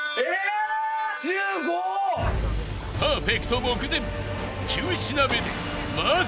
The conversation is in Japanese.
パーフェクト目前